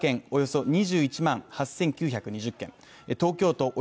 およそ２１万８９２０軒東京都